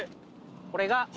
これが。